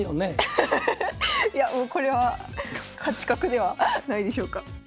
いやもうこれは勝ち確ではないでしょうか。